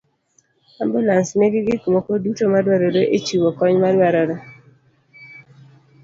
ambulans nigi gik moko duto madwarore e chiwo kony madwarore.